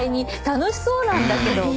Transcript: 楽しそうなんだけど。